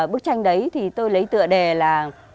bức tranh đấy tôi lấy tựa đề là